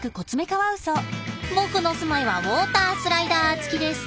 僕の住まいはウォータースライダーつきです。